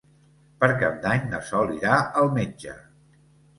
Per Cap d'Any na Sol irà al metge.